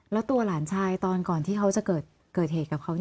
แล้วตัวหลานชายตอนก่อนที่เขาจะเกิดเหตุกับเขา